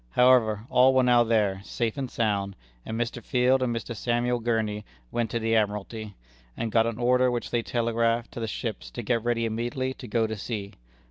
However, all were now there, safe and sound, and Mr. Field and Mr. Samuel Gurney went to the Admiralty, and got an order which they telegraphed to the ships to get ready immediately to go to sea.